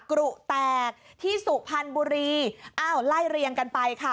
กรุแตกที่สุพรรณบุรีอ้าวไล่เรียงกันไปค่ะ